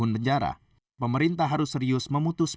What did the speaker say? kerja batako gitu